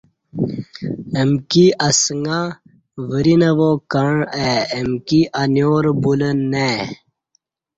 امکی اسݣہ ، وری نہ وا، کعں ای امکی انیار بولہ نہ ای